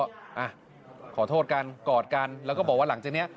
อ่ะขอโทษกันกอดกันแล้วก็บอกว่าหลังจากนี้